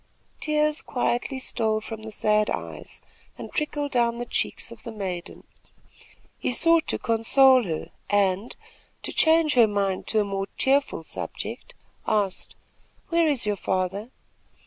Tears quietly stole from the sad eyes and trickled down the cheeks of the maiden. He sought to console her and, to change her mind to a more cheerful subject, asked: "Where is your father?"